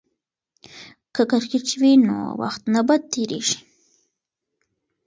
که کرکټ وي نو وخت نه بد تیریږي.